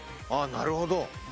ああなるほど。